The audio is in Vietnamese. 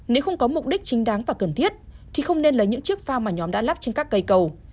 nếu không có mục đích chính đáng và cần thiết thì không nên lấy những chiếc phao mà nhóm đã lắp trên các cây cầu